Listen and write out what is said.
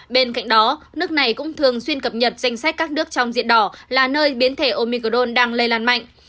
bên cạnh đó nước này cũng thường xuyên cập nhật danh sách các nước trong diện đỏ là nơi biến thể omicron đang lây lan mạnh